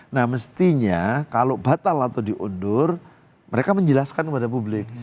nah mestinya kalau batal atau diundur mereka menjelaskan kepada publik